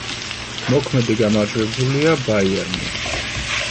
მოქმედი გამარჯვებულია „ბაიერნი“.